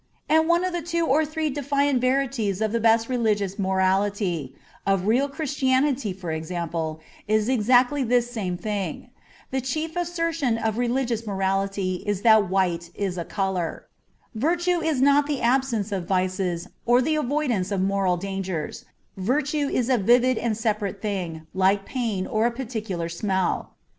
And one of the two or three defiant verities of the best religious morality — of real Christianity, for example — is exactly this same thing. The chief assertion of religious morality is that white is a colour. Virtue is not the absence of vices or the dvoidance of moral dangers ; virtue is a vivid and separate thing, like pain or a particular smell.